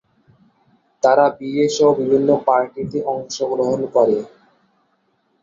তারা বিয়ে সহ বিভিন্ন পার্টিতে অংশগ্রহণ করে।